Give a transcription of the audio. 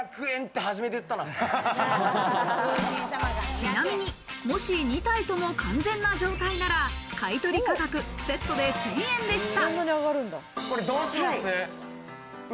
ちなみに、もし２体とも完全な状態なら、買取価格、セットで１０００円でした。